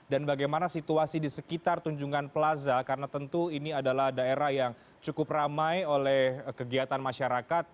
dan bagaimana situasi di sekitar tunjungan plaza karena tentu ini adalah daerah yang cukup ramai oleh kegiatan masyarakat